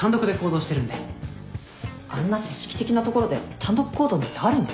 あんな組織的な所で単独行動なんてあるの？